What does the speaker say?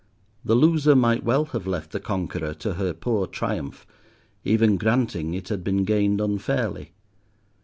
The loser might well have left the conqueror to her poor triumph, even granting it had been gained unfairly.